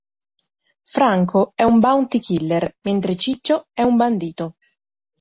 Franco è un bounty killer, mentre Ciccio è un bandito.